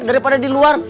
daripada di luar